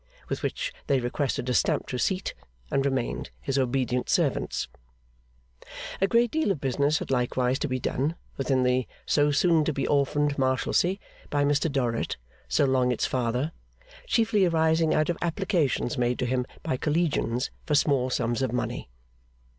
With which they requested a stamped receipt, and remained his obedient servants. A great deal of business had likewise to be done, within the so soon to be orphaned Marshalsea, by Mr Dorrit so long its Father, chiefly arising out of applications made to him by Collegians for small sums of money.